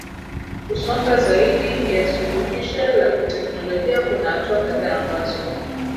kusonga zaidi ya suluhisho la kiteknolojia Kuna hatua kadhaa ambazo